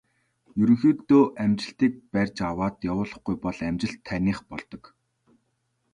Ерөнхийдөө амжилтыг барьж аваад явуулахгүй бол амжилт таных болдог.